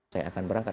saya akan berangkat